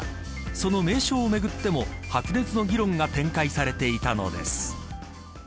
その名称をめぐっても白熱の議論が展開されていたのです。